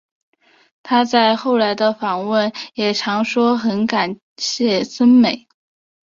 她在后来的访问也常说很感谢森美。